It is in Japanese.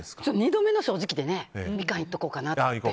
２度目の正直でミカンいっとこうかなって。